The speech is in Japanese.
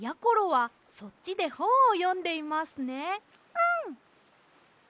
うん。